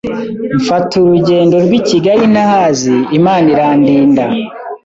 mfata urugendo rw’I Kigali ntahazi Imana irandinda